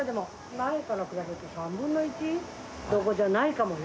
前から比べて３分の１どこじゃないかもよ。